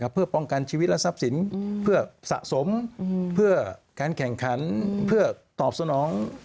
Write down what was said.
เพื่อป้องกันชีวิตและทรัพย์สินเพื่อสะสมเพื่อการแข่งขันเพื่อตอบสนอง